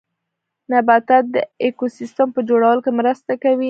نباتات د ايکوسيستم په جوړولو کې مرسته کوي